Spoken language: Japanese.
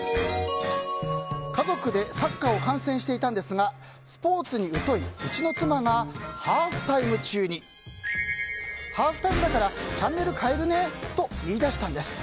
家族でサッカーを観戦していたんですがスポーツに疎いうちの妻がハーフタイム中にハーフタイムだからチャンネル変えるねと言い出したんです。